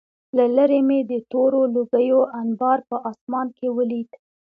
له لېرې مې د تورو لوګیو انبار په آسمان کې ولید